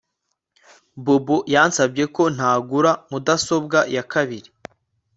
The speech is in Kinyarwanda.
Bobo yansabye ko ntagura mudasobwa ya kabiri